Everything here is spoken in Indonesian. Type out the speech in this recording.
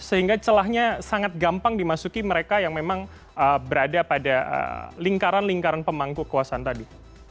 sehingga celahnya sangat gampang dimasuki mereka yang memang berada pada lingkaran lingkaran pemangku kekuasaan tadi